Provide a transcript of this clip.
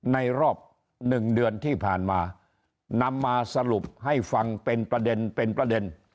ในรอบ๑เดือนที่ผ่านมานำมาสรุปให้ฟังเป็นประเด็น